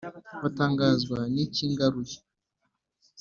batangazwa n’ikingaruye